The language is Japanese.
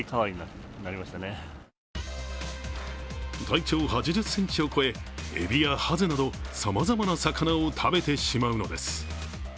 体長８０ｃｍを超え、えびやはぜなどさまざまな魚を食べてしまうのです。